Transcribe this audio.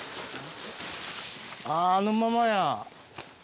あっあのままや。